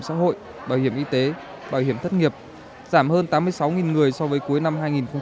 xã hội bảo hiểm y tế bảo hiểm thất nghiệp giảm hơn tám mươi sáu người so với cuối năm hai nghìn một mươi chín